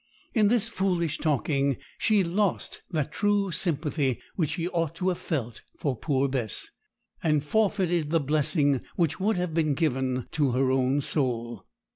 In this foolish talking she lost that true sympathy which she ought to have felt for poor Bess, and forfeited the blessing which would have been given to her own soul.